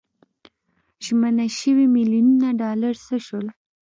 ژمنه شوي میلیونونه ډالر څه شول.